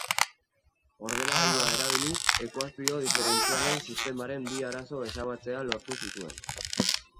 Ordenagailua erabiliz, ekuazio diferentzialen sistemaren bi arazo ebaztea lortu zituen.